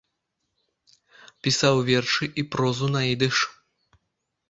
Пісаў вершы і прозу на ідыш.